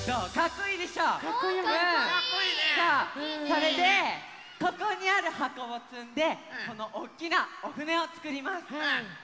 それでここにあるはこをつんでこのおっきなおふねをつくります。